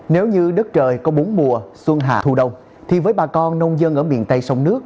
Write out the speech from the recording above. nếu như đất trời có bốn mùa xuân hà thu đông thì với bà con nông dân ở miền tây sông nước